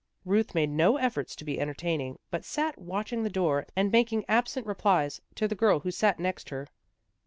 Ruth made no effort to be enter taining, but sat watching the door, and making absent replies to the girl who sat next her.